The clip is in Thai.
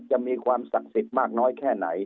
จะมีความศักดิ์สิทธิ์มากน้อยแค่ไหน